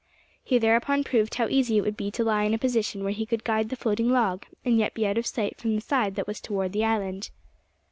He thereupon proved how easy it would be to lie in a position where he could guide the floating log, and yet be out of sight from the side that was toward the island.